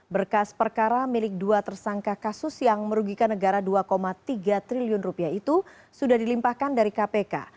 berkas perkara milik dua tersangka kasus yang merugikan negara dua tiga triliun rupiah itu sudah dilimpahkan dari kpk